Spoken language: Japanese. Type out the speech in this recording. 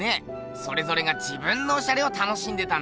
それぞれが自分のオシャレを楽しんでたんだ。